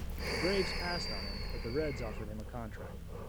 The Braves passed on him, but the Reds offered him a contract.